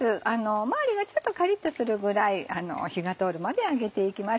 周りがちょっとカリっとするぐらい火が通るまで揚げていきます。